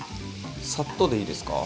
サッとでいいですか？